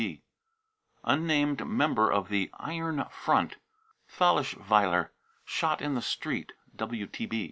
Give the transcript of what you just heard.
(WTB.) unnamed member of the 44 iron front," Thalesschweiler, shot in the street.